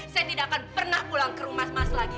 saya tidak akan pernah pulang ke rumah mas lagi